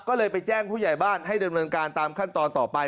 ก็เลยไปแจ้งผู้ใหญ่บ้านให้ดำเนินการตามขั้นตอนต่อไป